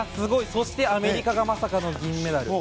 そしてアメリカがまさかの銀メダル。